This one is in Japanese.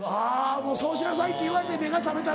もうそうしなさいって言われて目が覚めたんだ。